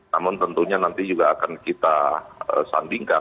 namun tentunya nanti juga akan kita sandingkan